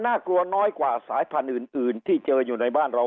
น่ากลัวน้อยกว่าสายพันธุ์อื่นที่เจออยู่ในบ้านเรา